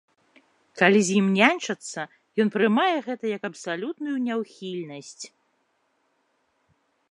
Калі з ім няньчацца, ён прымае гэта як абсалютную няўхільнасць.